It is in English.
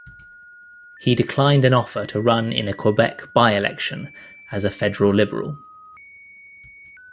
He declined an offer to run in a Quebec by-election as a federal Liberal.